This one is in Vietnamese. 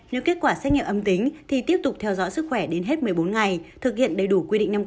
nếu kết quả xét nghiệm âm tính thì tiếp tục theo dõi sức khỏe đến hết một mươi bốn ngày thực hiện đầy đủ quy định năm mươi